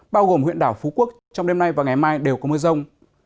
bao gồm huyện đảo phú quốc trong đêm nay và ngày mai đều có mưa rông